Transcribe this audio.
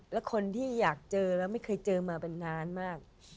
และคนที่อยากเจอและไม่เคยเจอมานานมาก